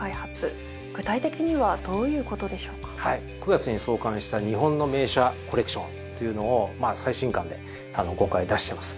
９月に創刊した「日本の名車コレクション」っていうのを最新刊で５回出してます。